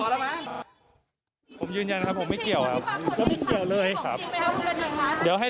ผมยืนยันนะครับผมไม่เกี่ยวครับ